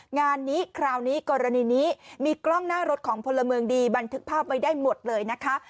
งานนี้คราวนี้กรณีนี้มีกล้องหน้ารถของพลเมืองดีบันทึกภาพไว้ได้หมดเลยนะคะ